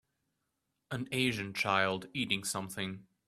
An Asian child eating something.